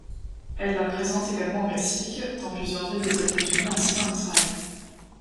Elle la présente également au Mexique, dans plusieurs villes des États-Unis ainsi qu'en Israël.